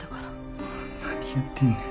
何言ってんねん。